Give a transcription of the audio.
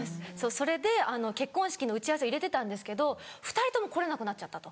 それで結婚式の打ち合わせを入れてたんですけど２人とも来れなくなっちゃったと。